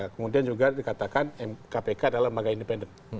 kemudian juga dikatakan kpk adalah lembaga independen